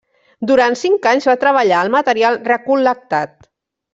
Durant cinc anys va treballar el material recol·lectat.